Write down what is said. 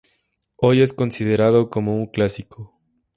Hoy es considerado como un clásico.